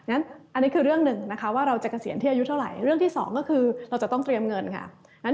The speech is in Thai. อันนี้คือเรื่องหนึ่งนะคะว่าเราจะเกษียณที่อายุเท่าไหร่เรื่องที่สองก็คือเราจะต้องเตรียมเงินค่ะ